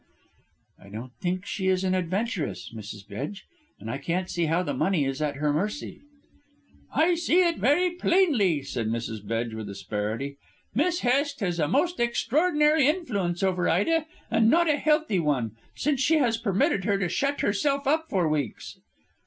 "I don't think she is an adventuress, Mrs. Bedge, and I can't see how the money is at her mercy." "I see it very plainly," said Mrs. Bedge with asperity. "Miss Hest has a most extraordinary influence over Ida, and not a healthy one, since she has permitted her to shut herself up for weeks."